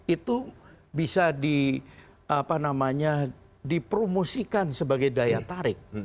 itu bisa dipromosikan sebagai daya tarik